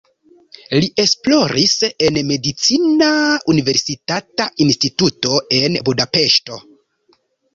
Li esploris en medicina universitata instituto en Budapeŝto.